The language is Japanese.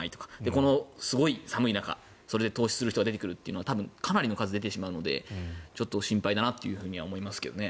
このすごい寒い中それで凍死する人が出てくる中で多分、かなりの数出てしまうのでちょっと心配だなと思いますね。